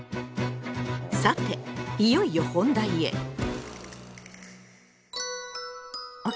さていよいよ本題へ。は⁉